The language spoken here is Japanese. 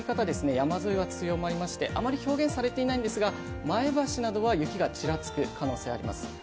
山沿いは強まりまして、あまり表現されていないんですが前橋などは雪がちらつく可能性があります。